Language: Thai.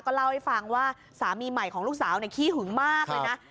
เล่าให้ฟังว่าสามีใหม่ของลูกสาวขี้หึงมากเลยนะ